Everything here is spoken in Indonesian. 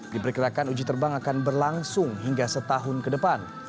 diperkirakan uji terbang akan berlangsung hingga setahun ke depan